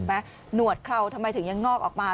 หนวดเคราทำไมถึงยังงอกออกมา